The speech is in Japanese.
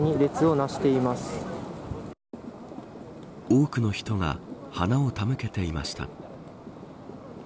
多くの人が花を手向けていました。